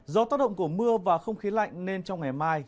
do tác động của mưa và không khí lạnh nên trong ngày mai